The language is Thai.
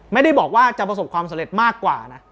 ไม่ได้บอกว่าจะประสบความสำเร็จมากกว่านะ